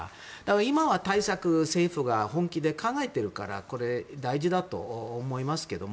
今は対策政府が本気で考えてるから大事だと思いますけども。